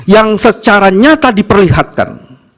yang secara nyata diperlihatkan